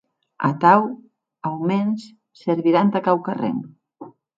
Atau, aumens, servirà entà quauquarren.